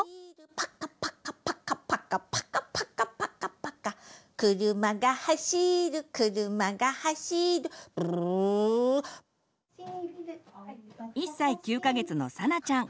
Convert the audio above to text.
「パカパカパカパカパカパカパカパカ」「くるまがはしるくるまがはしる」「ブルルル」１歳９か月のさなちゃん。